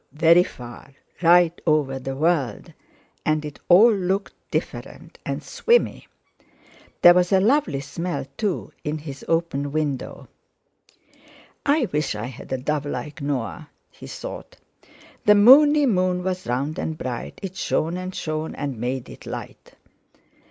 very far; right over the world, and it all looked different and swimmy. There was a lovely smell, too, in his open window. 'I wish I had a dove like Noah!' he thought. "The moony moon was round and bright, It shone and shone and made it light."